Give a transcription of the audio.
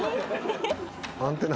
アンテナ？